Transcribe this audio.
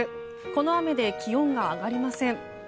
この雨で気温が上がりません。